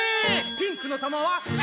ピンクの玉は超！